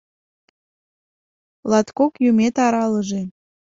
Латкок юмет аралыже.